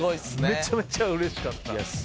めちゃめちゃ嬉しかった。